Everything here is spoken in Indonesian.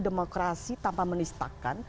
demokrasi tanpa menistakan